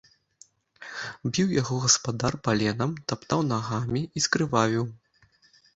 Біў яго гаспадар паленам, таптаў нагамі, скрывавіў.